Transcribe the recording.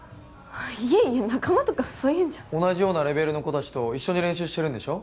いえいえ仲間とかそういうんじゃ同じようなレベルの子達と一緒に練習してるんでしょ？